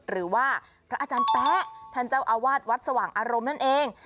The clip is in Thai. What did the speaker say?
หรือว่าพระอาจารย์แป๊ะท่านเจ้าอาวาสวัดสว่างอารมณ์นั่นเอง